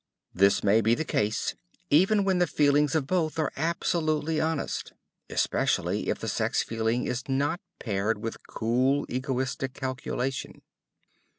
This may be the case even when the feelings of both are absolutely honest, especially if the sex feeling is not paired with cool egoistic calculation.